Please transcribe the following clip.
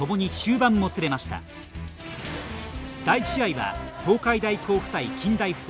第１試合は東海大甲府対近大付属。